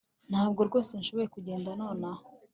Ntabwo rwose nshobora kugenda nonaha